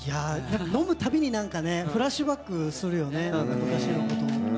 飲むたびにフラッシュバックするよね。